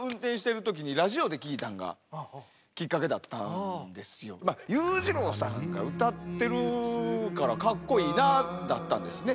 いやこれ僕本当裕次郎さんが歌ってるからかっこいいなだったんですね。